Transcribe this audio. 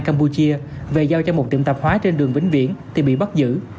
campuchia về giao cho một tiệm tạp hóa trên đường vĩnh viễn thì bị bắt giữ